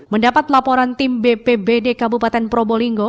mendapat laporan tim bpbd kabupaten probolinggo